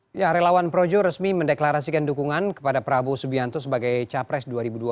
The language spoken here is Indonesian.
hai yang relawan projo resmi mendeklarasikan dukungan kepada prabowo subianto sebagai capres